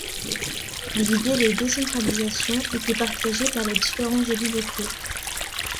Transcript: L'idée de décentralisation était partagée par les différents élus locaux.